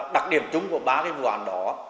đặc điểm chung của ba vụ án đó